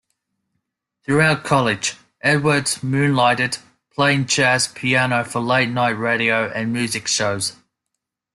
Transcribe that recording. Throughout college, Edwards moonlighted, playing jazz piano for late night radio and music shows.